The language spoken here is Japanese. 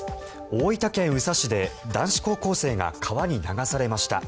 大分県宇佐市で男子高校生が川に流されました。